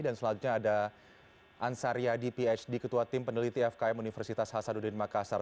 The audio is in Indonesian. dan selanjutnya ada ansariyadi phd ketua tim pendeliti fkm universitas hasaduddin makassar